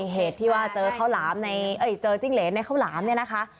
เหตุที่ว่าเจอข้าวหลามเจอจิ้งเหรนในข้าวหลามเนี่ยนะคะ